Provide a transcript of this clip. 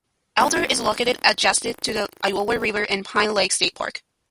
Eldora is located adjacent to the Iowa River and Pine Lake State Park.